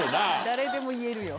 誰でも言えるよ。